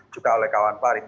juga oleh kawan farid